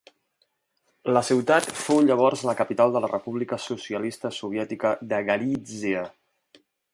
La ciutat fou llavors la capital de la República Socialista Soviètica de Galítsia.